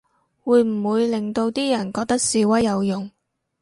會唔會令到啲人覺得示威有用